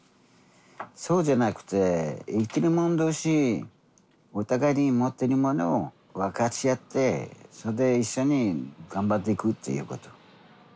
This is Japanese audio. そうじゃなくて生きる者同士お互いに持っているものを分かち合ってそれで一緒に頑張っていくっていうこと。